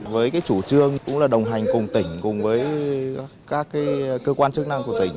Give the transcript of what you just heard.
với chủ trương cũng là đồng hành cùng tỉnh cùng với các cơ quan chức năng của tỉnh